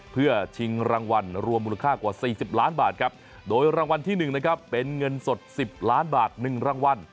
เพื่อชิงรางวัลรวมมูลค่ากว่า๔๐ล้านบาทครับโดยรางวัลที่๑นะครับเป็นเงินสด๑๐ล้านบาท๑รางวัล